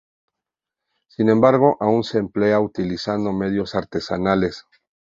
Sin embargo aún se emplea utilizando medios artesanales.